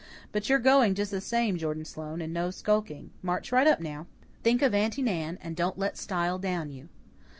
But you're going just the same, Jordan Sloane, and no skulking. March right up now. Think of Aunty Nan and don't let style down you."